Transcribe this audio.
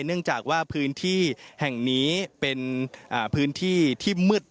เนื่องจากว่าพื้นที่แห่งนี้เป็นพื้นที่ที่มืด